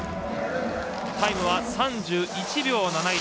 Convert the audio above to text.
タイムは３１秒７１。